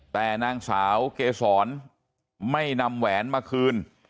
แต่นางสาวเกษรไม่นำแหวนมาคืน